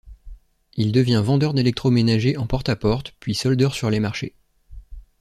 Il devient vendeur d’électroménager en porte à porte puis soldeur sur les marchés.